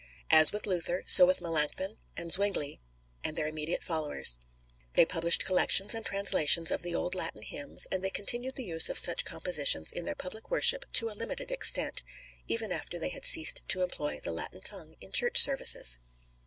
As with Luther, so with Melancthon and Zwingli and their immediate followers. They published collections and translations of the old Latin hymns, and they continued the use of such compositions in their public worship to a limited extent, even after they had ceased to employ the Latin tongue in Church services.